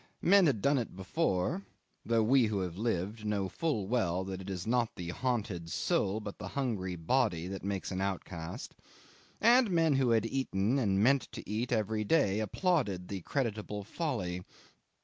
Men had done it before (though we who have lived know full well that it is not the haunted soul but the hungry body that makes an outcast), and men who had eaten and meant to eat every day had applauded the creditable folly.